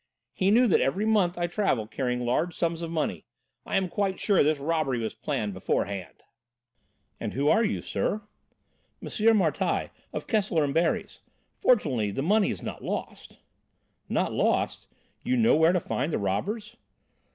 He knew that every month I travel, carrying large sums of money. I am quite sure this robbery was planned beforehand." "And who are you, sir?" "M. Martialle, of Kessler & Barriès. Fortunately the money is not lost." "Not lost! You know where to find the robbers?"